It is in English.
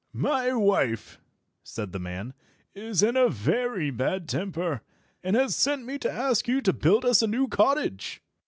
"My wife," said the man, "is in a very bad temper, and has sent me to ask you to build us a new cottage.